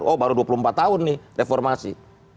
oh baru dua puluh empat tahun nih reformasi